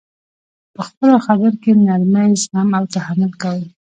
په خپلو خبر کي نرمي، زغم او تحمل کوئ!